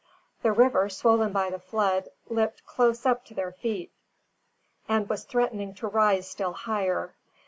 The river, swollen by the flood, lipped close up to their feet, and was threatening to rise still higher.